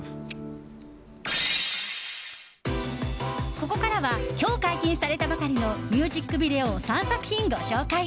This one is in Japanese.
ここからは今日解禁されたばかりのミュージックビデオ３作品ご紹介。